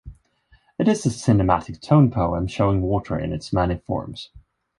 It is a cinematic tone poem showing water in its many forms.